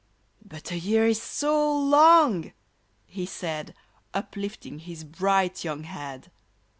" But a year is so long !" he said, Uplifting his bright young head.